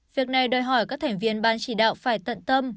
việc này đòi hỏi các thành viên ban chỉ đạo phải tận tâm